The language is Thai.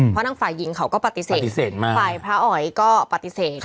เพราะทางฝ่ายหญิงเขาก็ปฏิเสธมากฝ่ายพระอ๋อยก็ปฏิเสธ